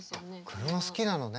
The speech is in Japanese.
車好きなのね。